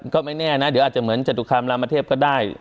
ก็ไม่แน่นะเดี๋ยวอาจจะเหมือนจตุคามรามเทพก็ได้